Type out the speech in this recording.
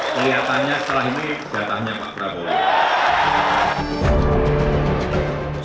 kelihatannya setelah ini jatahnya pak prabowo